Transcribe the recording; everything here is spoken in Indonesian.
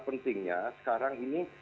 pentingnya sekarang ini